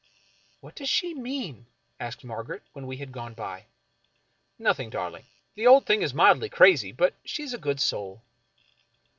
" What does she mean ?" asked Margaret, when we had gone by. " Nothing, darling. The old thing is mildly crazy, but she is a good soul."